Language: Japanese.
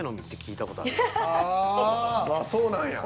ああそうなんや。